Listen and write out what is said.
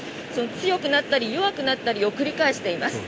強くなったり弱くなったりを繰り返しています。